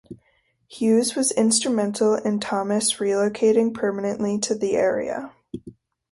Hughes was instrumental in Thomas relocating permanently to the area.